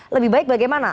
lebih baik bagaimana